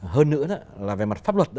hơn nữa là về mặt pháp luật